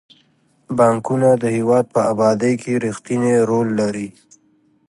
بانکونه د هیواد په ابادۍ کې رښتینی رول لري.